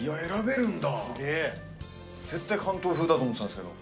絶対関東風だと思ってたんですけど。